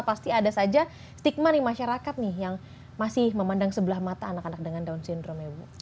pasti ada saja stigma di masyarakat nih yang masih memandang sebelah mata anak anak dengan down syndrome ya bu